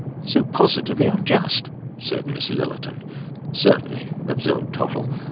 " So positively unjust !" said Miss Lillerton. " Certainly," observed Tottle.